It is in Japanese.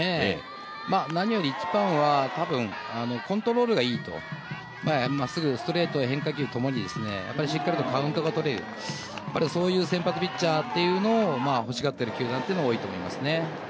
何より一番はコントロールがいいと、ストレートや変化球を中心にしっかりとカウントがとれる、あるいはそういう先発ピッチャーというのを欲しがっている球団というのは多いと思いますね。